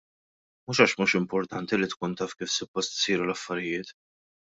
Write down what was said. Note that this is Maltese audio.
Mhux għax mhux importanti li tkun taf kif suppost isiru l-affarijiet.